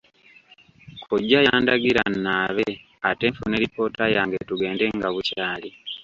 Kkojja yandagira nnaabe ate nfune lipoota yange tugende nga bukyali.